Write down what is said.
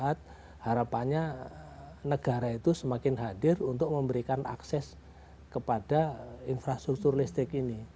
harapannya negara itu semakin hadir untuk memberikan akses kepada infrastruktur listrik ini